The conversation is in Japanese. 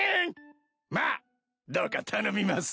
まあどうか頼みます。